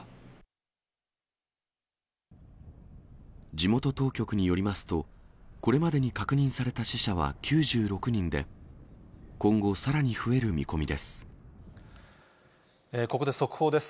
地元当局によりますと、これまでに確認された死者は９６人で、今後、さらに増える見込みここで速報です。